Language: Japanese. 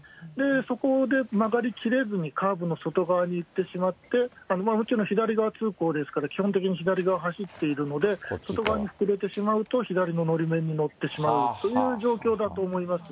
そこで曲がりきれずにカーブの外側に行ってしまって、もちろん左側通行ですから、基本的に左側を走っているので、外側に膨れてしまうと、左ののり面に乗ってしまうという状況だと思います。